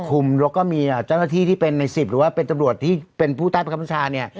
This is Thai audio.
แล้วก็มีเจ้าหน้าที่ที่เป็นใน๑๐หรือว่าเป็นตำรวจที่เป็นผู้ใต้ประคับบัญชาเนี่ย